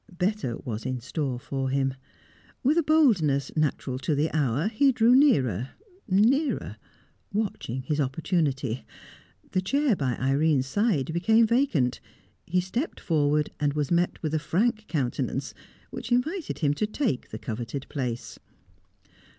Better was in store for him. With a boldness natural to the hour, he drew nearer, nearer, watching his opportunity. The chair by Irene's side became vacant; he stepped forward, and was met with a frank countenance, which invited him to take the coveted place.